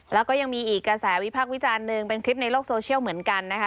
แล้วก็ยังมีอีกกระแสวิพักษ์วิจารณ์หนึ่งเป็นคลิปในโลกโซเชียลเหมือนกันนะคะ